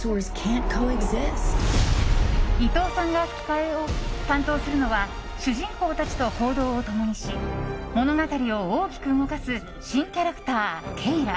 伊藤さんが吹き替えを担当するのは主人公たちと行動を共にし物語を大きく動かす新キャラクター、ケイラ。